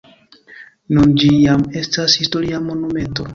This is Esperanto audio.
Nun ĝi jam estas historia monumento.